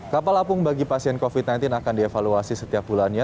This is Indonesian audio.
kapal apung bagi pasien covid sembilan belas akan dievaluasi setiap bulannya